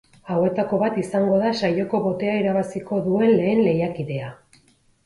Hauetako bat izango da saioko botea irabaziko duen lehen lehiakidea.